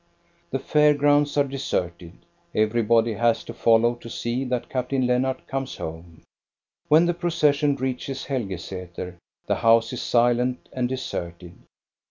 The fair grounds are deserted. Everybody has to follow to see that Captain Lennart comes home. When the procession reaches Helgesater, the house is silent and deserted.